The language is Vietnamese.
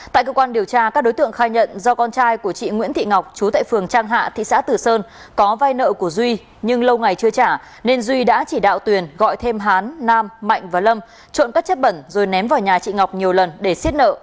tại cơ quan điều tra các đối tượng khai nhận do con trai của chị nguyễn thị ngọc chú tại phường trang hạ thị xã tử sơn có vai nợ của duy nhưng lâu ngày chưa trả nên duy đã chỉ đạo tuyền gọi thêm hán nam mạnh và lâm trộn các chất bẩn rồi ném vào nhà chị ngọc nhiều lần để xiết nợ